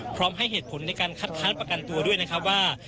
พร้อมให้เหตุผลในการคัดค้านประกันตัวด้วยนะครับว่า